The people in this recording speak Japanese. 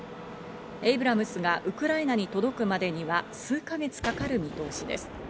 エイブラムスがウクライナに届くまでには数か月かかる見通しです。